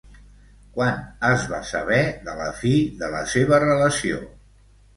Quan es va saber de la fi de la seva relació?